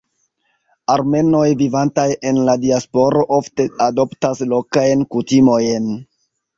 Armenoj vivantaj en la diasporo ofte adoptas lokajn kutimojn.